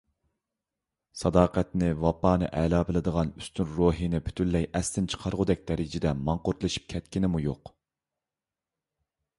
ساداقەتنى، ۋاپانى ئەلا بىلىدىغان ئۈستۈن روھىنى پۈتۈنلەي ئەستىن چىقارغۇدەك دەرىجىدە ماڭقۇرتلىشىپ كەتكىنىمۇ يوق.